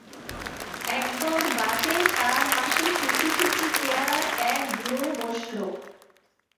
একবার বাসে তার পাশে সুখী সুখী চেহারার এক বুড়ো বসল।